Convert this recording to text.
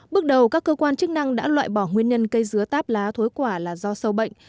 bước đầu các cơ quan chức năng đã loại bỏ nguyên nhân cây dứa táp lá thối quả là do sâu bệnh